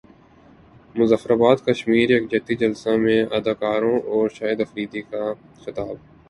مظفراباد کشمیر یکجہتی جلسہ میں اداکاروں اور شاہد افریدی کا خطاب